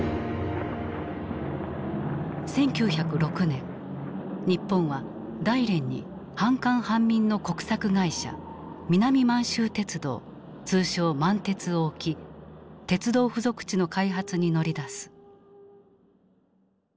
１９０６年日本は大連に半官半民の国策会社南満州鉄道通称「満鉄」を置き鉄道付属地の開発に乗り出す。